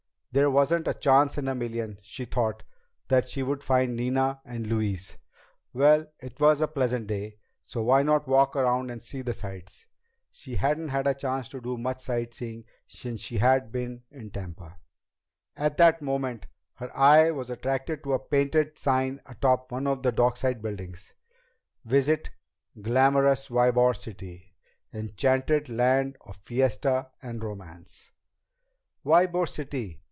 There wasn't a chance in a million, she thought, that she would find Nina and Louise. Well, it was a pleasant day, so why not walk around and see the sights! She hadn't had a chance to do much sight seeing since she had been in Tampa. At that moment her eye was attracted to a painted sign atop one of the dockside buildings: VISIT GLAMOROUS YBOR CITY Enchanted Land of Fiesta and Romance Ybor City!